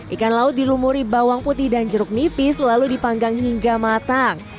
ikan laut dilumuri bawang putih dan jeruk nipis lalu dipanggang hingga matang